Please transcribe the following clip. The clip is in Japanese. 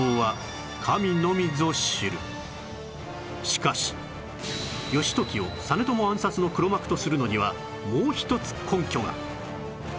しかし義時を実朝暗殺の黒幕とするのにはもう一つ根拠が